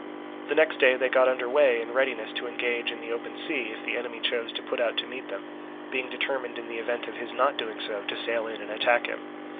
The next day they got under way in readiness to engage in the open sea if the enemy chose to put out to meet them, being determined in the event of his not doing so to sail in and attack him.